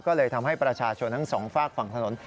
ก็เลยทำให้ประชาชนทั้งสองฝากฝั่งถนน